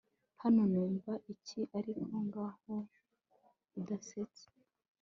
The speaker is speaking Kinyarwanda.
Hano Numva iki ariko ngaho udasetse